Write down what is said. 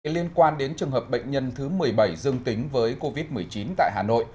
liên quan đến trường hợp bệnh nhân thứ một mươi bảy dương tính với covid một mươi chín tại hà nội